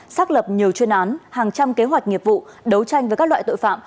xác lập nhiều chuyên án hàng trăm kế hoạch nghiệp vụ đấu tranh với các loại tội phạm